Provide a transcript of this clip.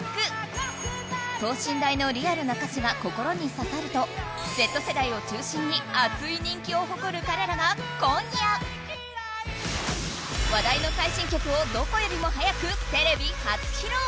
等身大のリアルな歌詞が心に刺さるとＺ世代を中心に熱い人気を誇る彼らが今夜話題の最新曲をどこよりも早くテレビ初披露。